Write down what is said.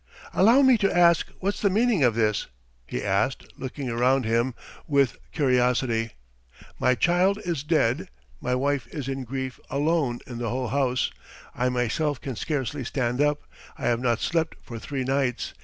"Allow me to ask what's the meaning of this?" he asked, looking round him with curiosity. "My child is dead, my wife is in grief alone in the whole house. ... I myself can scarcely stand up, I have not slept for three nights.